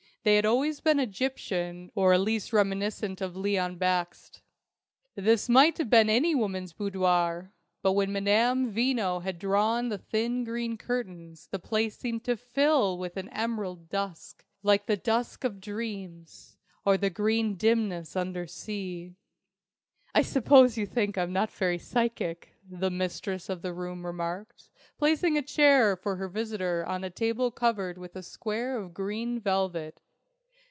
They had always been Egyptian, or at least reminiscent of Leon Bakst. This might have been any woman's boudoir: but when Madame Veno had drawn the thin green curtains, the place seemed to fill with an emerald dusk, like the dusk of dreams, or the green dimness under sea. "I suppose you think I'm not very 'psychic'," the mistress of the room remarked, placing a chair for her visitor at a table covered with a square of green velvet.